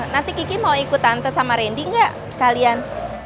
nanti kiki mau ikut tante sama rendy gak sekalian